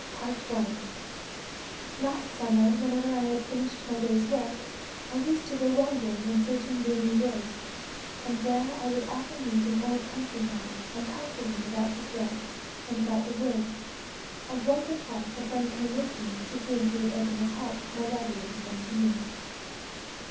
I Last summer, whenever I had finished my day's work, I used to go wandering in certain roomy woods, and there I would often meet an old countryman, and talk to him about his work and about the woods, and once or twice a friend came with me to whom he would open his heart more readily than to me.